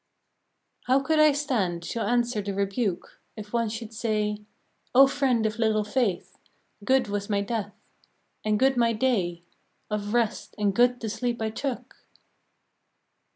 How could I stand to answer the rebuke, If one should say: " O friend of little faith, Good was my death, And good my day Of rest, and good the sleep I took